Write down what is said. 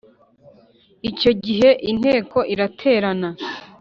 icyo gihe Inteko iraterana